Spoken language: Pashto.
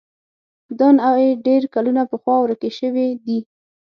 دا نوعې ډېر کلونه پخوا ورکې شوې دي.